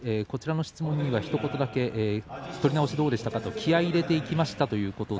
こちらの質問にはひと言だけ取り直しどうでしたかと聞いたら気合いを入れていきました。